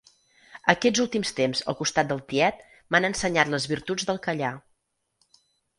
Aquests últims temps al costat del tiet m'han ensenyat les virtuts del callar.